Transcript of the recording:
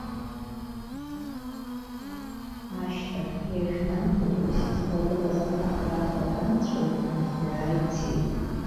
Ашьҭахь, иажәны акәу, ус излагылаз ахаҳәра афатә амҵәоу, иныхҩаа ицеит.